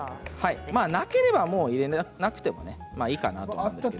なければ入れなくてもいいかなと。